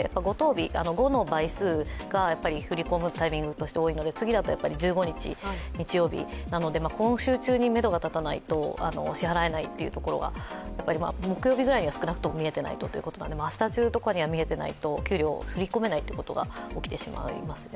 ５の倍数の日が振り込むタイミングとして多いので次は１５日日曜日なので今週中にめどが立たないと支払えないというところが木曜日ぐらいには少なくとも見えていないということなので、明日中には見えていないと給料を振り込めないということが起きてしまいますね。